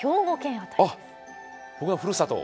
あっ僕のふるさと。